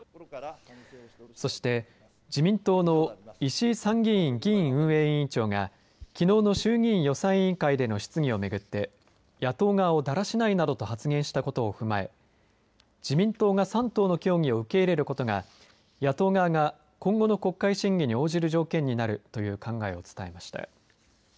そして自民党の石井・参議院議院運営委員長がきのうの衆議院予算委員会での質疑を巡って野党側をだらしないなどと発言したことを踏まえ自民党が３党の協議を受け入れることが野党側が今後の国会審議に応じる条件になるという考えを伝えました。